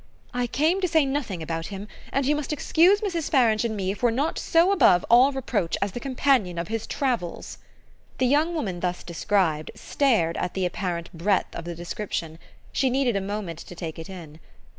"I came to say nothing about him, and you must excuse Mrs. Farange and me if we're not so above all reproach as the companion of his travels." The young woman thus described stared at the apparent breadth of the description she needed a moment to take it in.